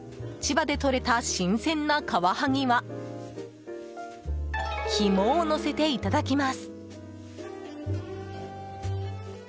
千葉でとれた新鮮なカワハギは肝をのせていただきます。